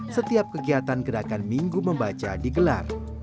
setiap kegiatan gerakan minggu membaca di gelar